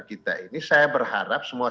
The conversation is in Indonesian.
kita ini saya berharap semua